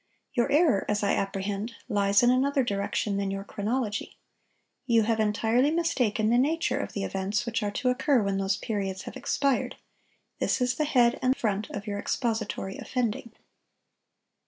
"Your error, as I apprehend, lies in another direction than your chronology." "You have entirely mistaken the nature of the events which are to occur when those periods have expired. This is the head and front of your expository offending."